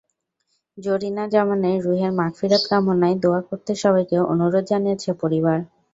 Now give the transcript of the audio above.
জরিনা জামানের রুহের মাগফিরাত কামনায় দোয়া করতে সবাইকে অনুরোধ জানিয়েছে পরিবার।